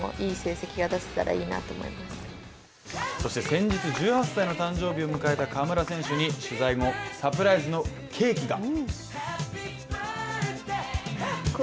先日、１８歳の誕生日を迎えた川村選手に取材後、サプライズのケーキが。